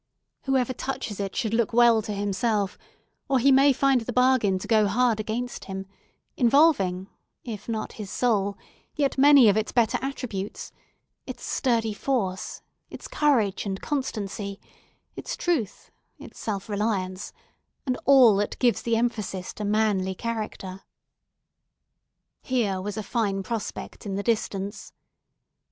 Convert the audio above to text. Whoever touches it should look well to himself, or he may find the bargain to go hard against him, involving, if not his soul, yet many of its better attributes; its sturdy force, its courage and constancy, its truth, its self reliance, and all that gives the emphasis to manly character. Here was a fine prospect in the distance.